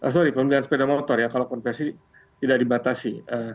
sorry pembelian sepeda motor ya kalau konversi tidak dibatasi